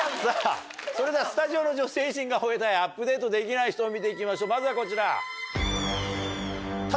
それではスタジオの女性陣が吠えたいアップデートできない人を見て行きましょうまずはこちら。